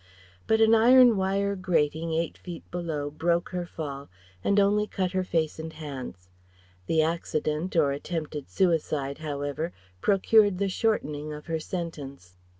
But an iron wire grating eight feet below broke her fall and only cut her face and hands. The accident or attempted suicide, however, procured the shortening of her sentence.